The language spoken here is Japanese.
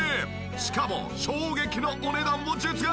しかも衝撃のお値段も実現！